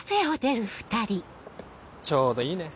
ちょうどいいね。